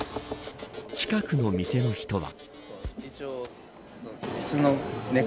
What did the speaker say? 近くの店の人は。